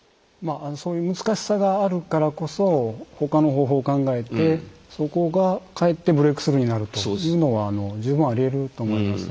そういう難しさがあるからこそ他の方法を考えてそこがかえってブレークスルーになるというのは十分ありえると思います。